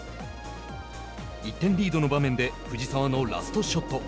１点リードの場面で藤澤のラストショット。